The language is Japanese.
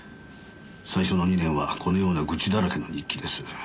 最初の２年はこのような愚痴だらけの日記です。